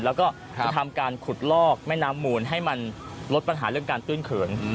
แล้วก็จะทำการขุดลอกแม่น้ำมูลให้มันลดปัญหาเรื่องการตื้นเขิน